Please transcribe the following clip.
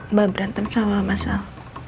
mbak berantem sama mas al